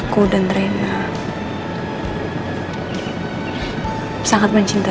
ketika dia sudah berubah